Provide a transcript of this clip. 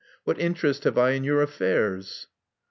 What interest have I in your affairs?"